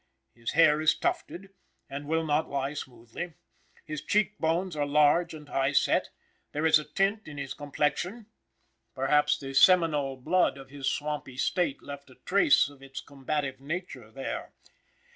His hair is tufted, and will not lie smoothly. His cheek bones are large and high set. There is a tint in his complexion. Perhaps the Seminole blood of his swampy state left a trace of its combative nature there.